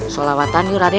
solawatan yuk raden